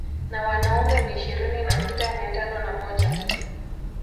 Na wanaume ni ishirini na sita mia tano na moja